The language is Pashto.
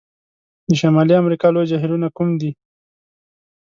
د شمالي امریکا لوی جهیلونو کوم دي؟